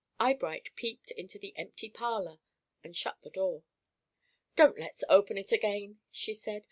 Eyebright peeped into the empty parlor and shut the door. "Don't let's open it again," she said.